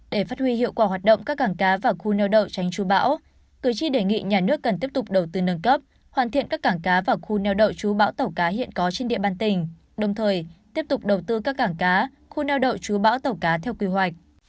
để phát huy hiệu quả hoạt động các cảng cá và khu neo đậu tránh chú bão cử tri đề nghị nhà nước cần tiếp tục đầu tư nâng cấp hoàn thiện các cảng cá và khu neo đậu chú bão tàu cá hiện có trên địa bàn tỉnh đồng thời tiếp tục đầu tư các cảng cá khu neo đậu chú bão tàu cá theo quy hoạch